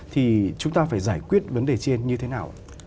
thì chúng ta phải giải quyết vấn đề trên như thế nào